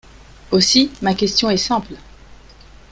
Aussi, ma question est simple.